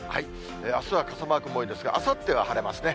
あすは傘マークが多いですが、あさっては晴れますね。